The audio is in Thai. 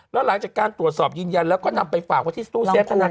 แล้วหลังจากการตรวจสอบยืนยันแล้วก็นำไปฝากไว้ที่ตู้เซฟพนัน